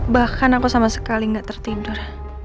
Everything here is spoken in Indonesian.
bahkan aku sama sekali tidak tertidur